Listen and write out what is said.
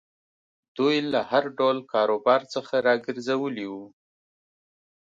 دوی له هر ډول کاروبار څخه را ګرځولي وو.